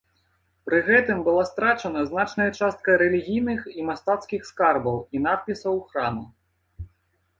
Пры гэтым была страчана значная частка рэлігійных і мастацкіх скарбаў і надпісаў храма.